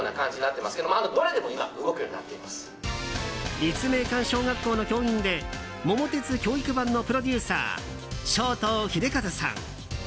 立命館小学校の教員で「桃鉄教育版」のプロデューサー正頭英和さん。